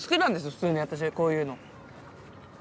普通に私こういうの。